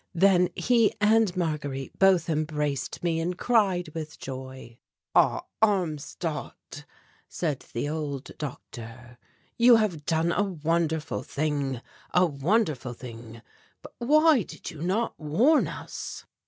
Then he and Marguerite both embraced me and cried with joy. "Ah, Armstadt," said the old doctor, "you have done a wonderful thing, a wonderful thing, but why did you not warn us?"